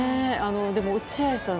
でも、落合さん